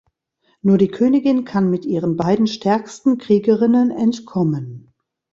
Nur die Königin kann mit ihren beiden stärksten Kriegerinnen entkommen.